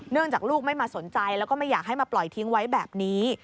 จากลูกไม่มาสนใจแล้วก็ไม่อยากให้มาปล่อยทิ้งไว้แบบนี้